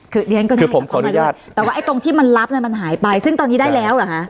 คือเรียนก็ได้แต่ว่าไอ้ตรงที่มันรับมันหายไปซึ่งตอนนี้ได้แล้วหรือคะ